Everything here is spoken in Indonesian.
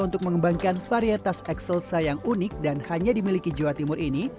untuk mengembangkan varietas ekselsa yang unik dan hanya dimiliki jawa timur ini